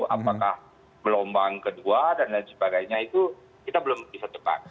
apakah gelombang kedua dan lain sebagainya itu kita belum bisa cepat